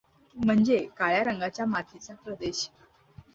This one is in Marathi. म्हणजे काळ्या रंगाच्या मातीचा प्रदेश.